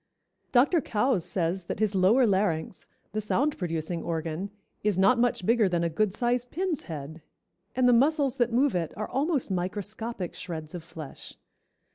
Dr. Coues says that his lower larynx, the sound producing organ, is not much bigger than a good sized pin's head, and the muscles that move it are almost microscopic shreds of flesh.